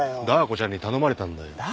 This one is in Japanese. ダー子ちゃんに頼まれたんだよ。